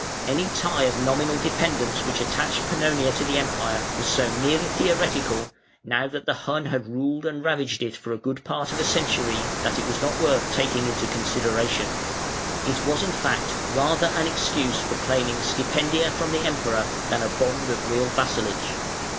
Any tie of nominal dependence which attached Pannonia to the Empire was so merely theoretical, now that the Hun had ruled and ravaged it for a good part of a century, that it was not worth taking into consideration; it was in fact rather an excuse for claiming stipendia from the Emperor than a bond of real vassalage.